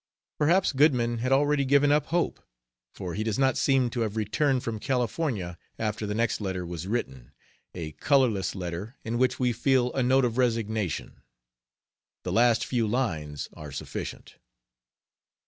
Perhaps Goodman had already given up hope, for he does not seem to have returned from California after the next letter was written a colorless letter in which we feel a note of resignation. The last few lines are sufficient.